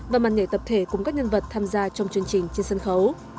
và màn nhảy tập thể cùng các nhân vật tham gia trong chương trình trên sân khấu